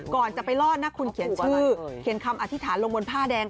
ก่อนจะไปรอดนะคุณเขียนชื่อเขียนคำอธิษฐานลงบนผ้าแดง